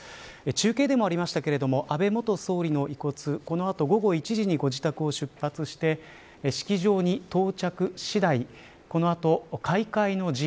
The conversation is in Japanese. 中継でもありましたが安倍元総理の遺骨このあと午後１時にご自宅を出発して式場に到着次第このあと開会の辞